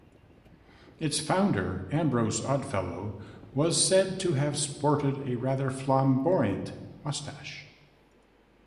Its founder, Ambrose Oddfellow, was said to have sported a rather flamboyant moustache.